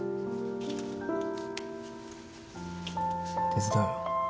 手伝うよ。